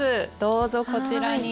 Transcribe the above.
どうぞこちらに。